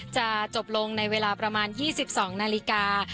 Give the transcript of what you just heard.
จะจบลงในเวลาประมาณ๒๒นาฬิกา